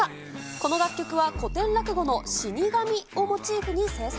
この楽曲は古典落語の死神をモチーフに制作。